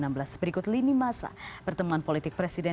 berikut lini masa pertemuan politik presiden